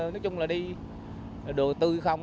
nói chung là đi đồ tư không